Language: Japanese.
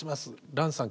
蘭さん